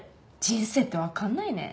人生ってわかんないね。